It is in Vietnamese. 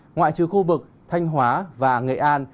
ngoại trừ khu vực thanh hóa và nghệ an